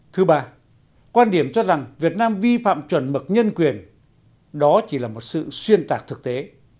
thứ ba quan điểm cho rằng việt nam vi phạm chuẩn mực nhân quyền đó chỉ là một sự xuyên tạc thực tế